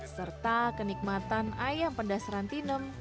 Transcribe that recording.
serta kenikmatan ayam pedas rantinem